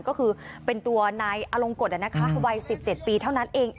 ก็คือเป็นตัวนายอลงกฎวัย๑๗ปีเท่านั้นเอง